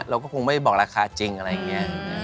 เราก็คงไม่บอกราคาจริงอะไรอย่างนี้